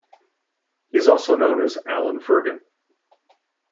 He is also known as Alan Fergant.